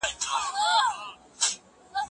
که احتياط ونکړئ، نو بيا به پښيمان ياست.